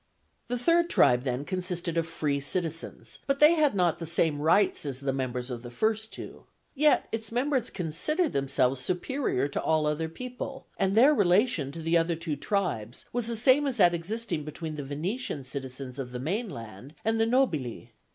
The third tribe, then, consisted of free citizens, but they had not the same rights as the members of the first two; yet its members considered themselves superior to all other people; and their relation to the other two tribes was the same as that existing between the Venetian citizens of the mainland and the nobili.